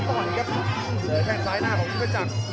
เจอแข่งซ้ายหน้าของยุทธิกัก